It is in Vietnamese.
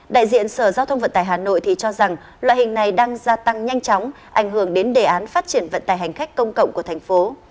đại diện sở giao thông vận tải hà nội cho rằng loại hình này đang gia tăng nhanh chóng ảnh hưởng đến đề án phát triển vận tải hành khách công cộng của thành phố